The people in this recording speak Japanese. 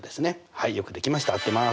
はいよくできました合ってます。